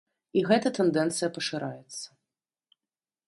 І гэта тэндэнцыя пашыраецца.